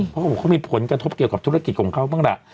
เพราะเขาบอกเขามีผลกระทบเกี่ยวกับธุรกิจของเขาบ้างล่ะ